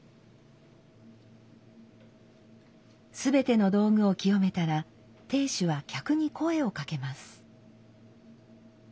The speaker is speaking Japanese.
全ての道具を清めたら亭主は客に声をかけます。